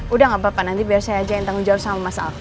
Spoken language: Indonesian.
udah gak apa apa nanti biar saya aja yang tanggung jawab sama mas alf